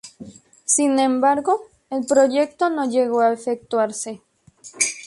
Sin embargo, el proyecto no llegó a efectuarse.